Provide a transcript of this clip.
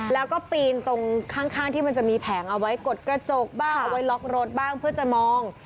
แล้วก็ปีนตรงข้างที่มันจะมีแผงเอาไว้กดกระจกบ้างเอาไว้ล็อกรถบ้างเพื่อจะมอง